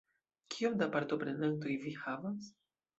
Kiom da partoprenantoj vi havas?